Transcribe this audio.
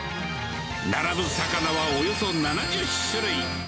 並ぶ魚はおよそ７０種類。